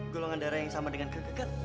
golongan darah yang sama dengan kege kan